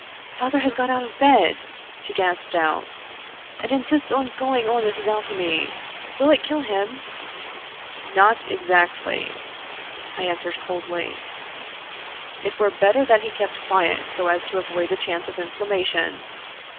" Father has got out of bed," she gasped out, " and in sists on going on with his alchemy. Will it kill him ?" 19 Irish Mystery Stories " Not exactly," I answered coldly. " It were better that he kept quiet, so as to avoid the chance of inflammation.